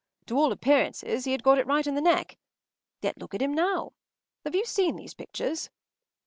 To all appearances he had got it right in the neck. Yet look at him now. Have you seen these pictures?